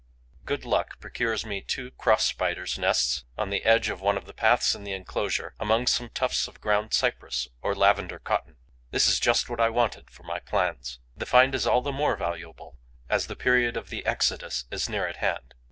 Good luck procures me two Cross Spiders' nests, on the edge of one of the paths in the enclosure, among some tufts of ground cypress, or lavender cotton. This is just what I wanted for my plans. The find is all the more valuable as the period of the exodus is near at hand.